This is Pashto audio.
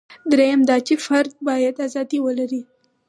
درېیم دا چې فرد باید ازادي ولري.